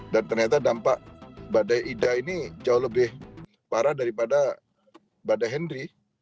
dan ternyata dampak badai aida ini jauh lebih parah daripada badai henry